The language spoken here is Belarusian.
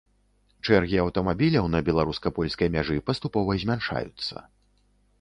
Чэргі аўтамабіляў на беларуска-польскай мяжы паступова змяншаюцца.